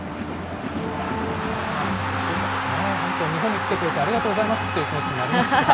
本当、日本に来てくれてありがとうございますっていう気持ちになりました。